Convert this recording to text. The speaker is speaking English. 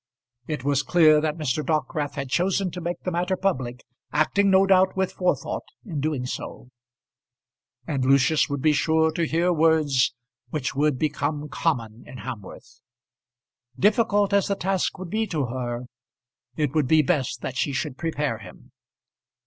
It was clear that Mr. Dockwrath had chosen to make the matter public, acting no doubt with forethought in doing so; and Lucius would be sure to hear words which would become common in Hamworth. Difficult as the task would be to her, it would be best that she should prepare him.